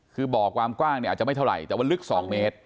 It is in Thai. คือบ่อความกว้างเนี่ยอาจจะไม่เท่าไหร่แต่ว่าลึก๒เมตร